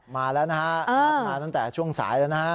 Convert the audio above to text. มาแล้วนะฮะนัดมาตั้งแต่ช่วงสายแล้วนะฮะ